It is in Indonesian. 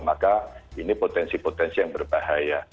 maka ini potensi potensi yang berbahaya